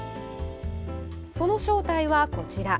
その正体はこちら。